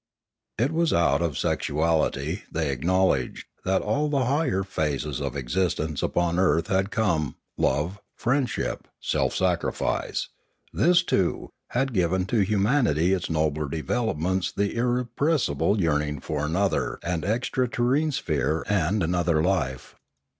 It was out of sexuality, they acknowledged, that all the higher phases of existence upon earth had come, love, friendship, self sacrifice,' this, too, had given to humanity in its nobler developments the irrepressible yearning for another and extra terrene sphere and an other life.